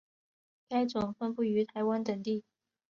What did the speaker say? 该种分布于台湾等地。